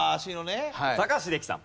高橋英樹さん。